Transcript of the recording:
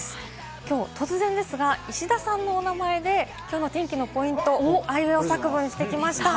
きょう突然ですが、石田さんのお名前できょうの天気のポイントをあいうえお作文してきました。